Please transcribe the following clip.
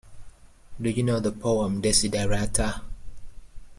Do you know the poem Desiderata?